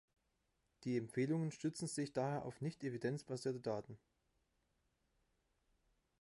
Die Empfehlungen stützen sich daher auf nicht „evidenz“basierte Daten.